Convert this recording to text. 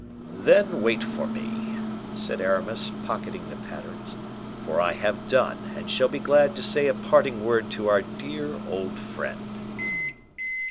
"Then wait for me," said Aramis, pocketing the patterns, "for I have done, and shall be glad to say a parting word to our dear old friend."